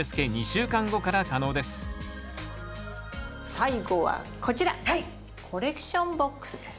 最後はこちらコレクションボックスです。